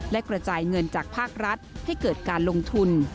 และกระจายเงินจากภาครัฐให้เกิดการลงทุน